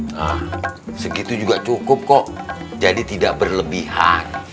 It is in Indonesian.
nah segitu juga cukup kok jadi tidak berlebihan